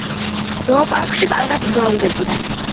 ზოოპარკში კარგად მრავლდებიან.